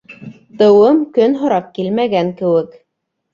Тыуым көн һорап килмәгән кеүек